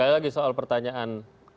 sekali lagi soal pertanyaan